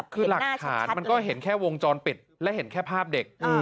คือหลักฐานมันก็เห็นแค่วงจรปิดและเห็นแค่ภาพเด็ก